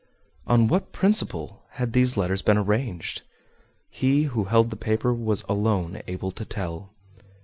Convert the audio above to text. On what principle had these letters been arranged? He who held the paper was alone able to tell.